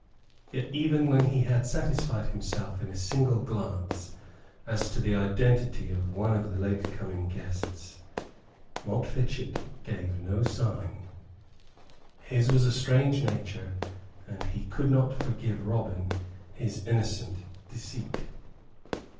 Yet even when he had satisfied himself in a single glance as to the identity of one of the late coming guests, Montfichet gave no sign. His was a strange nature, and he could not forgive Robin his innocent deceit.